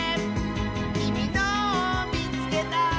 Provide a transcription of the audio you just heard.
「きみのをみつけた！」